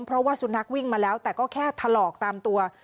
เพราะว่าสุนัขวิ่งมาแล้วแต่ก็แค่ถลอกตามตัว